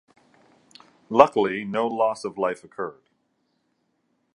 Luckily, no loss of life occurred.